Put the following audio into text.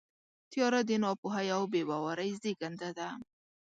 تیاره د ناپوهۍ او بېباورۍ زېږنده ده.